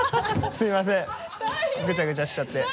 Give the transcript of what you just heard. すみませんぐちゃぐちゃしちゃって。